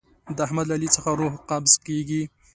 د احمد له علي څخه روح قبض کېږي.